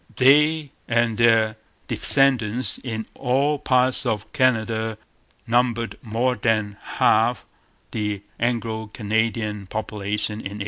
They and their descendants in all parts of Canada numbered more than half the Anglo Canadian population in 1812.